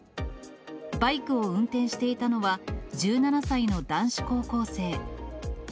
バイクを運転していたのは、１７歳の男子高校生。